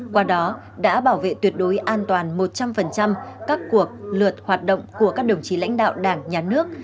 qua đó đã bảo vệ tuyệt đối an toàn một trăm linh các cuộc lượt hoạt động của các đồng chí lãnh đạo đảng nhà nước